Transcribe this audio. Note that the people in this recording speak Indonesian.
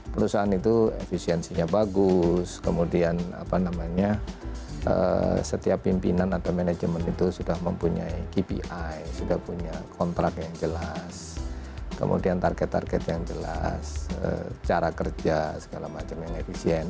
perusahaan itu efisiensinya bagus kemudian apa namanya setiap pimpinan atau manajemen itu sudah mempunyai kpi sudah punya kontrak yang jelas kemudian target target yang jelas cara kerja segala macam yang efisien